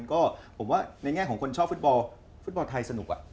ก็ผมว่าในแง่ของคนชอบฟุตบอลฟุตบอลไทยสนุก